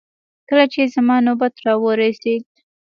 کله چې زما نوبت راورسېد.